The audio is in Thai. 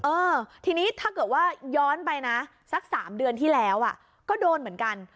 เออทีนี้ถ้าเกิดว่าย้อนไปนะสัก๓เดือนที่แล้วก็โดนเหมือนกัน